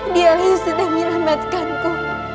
dia selalu menyelamatkanku